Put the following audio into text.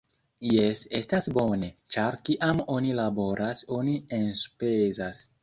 Jes, estas bone ĉar kiam oni laboras oni enspezas